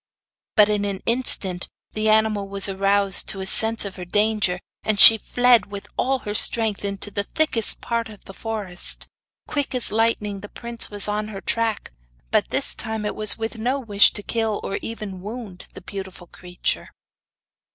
But in an instant the animal was aroused to a sense of her danger, and she fled with all her strength into the thickest part of the forest. Quick as lightning the prince was on her track, but this time it was with no wish to kill or even wound the beautiful creature.